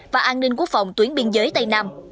và an ninh quốc phòng tuyến biên giới tây nam